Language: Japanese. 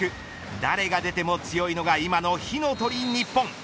誰が出ても強いのが今の火の鳥ＮＩＰＰＯＮ。